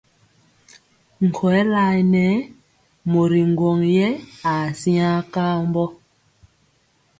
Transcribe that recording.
Nkɔyɛ layɛ nɛ mori ŋgwɔŋ yɛ aa siŋa kambɔ.